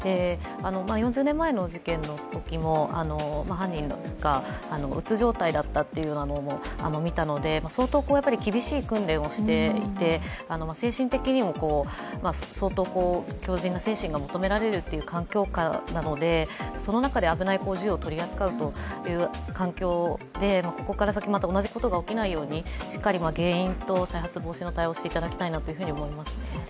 ４０年前の事件のときも犯人がうつ状態だったというのを見たので、相当厳しい訓練をしていて、精神的にも相当、強靱な精神が求められるっていう環境下なのでその中で危ない銃を取り扱うっていう状況でここから先、また同じことが起きないように、しっかり原因と再発防止の対応をしていただきたいと思います。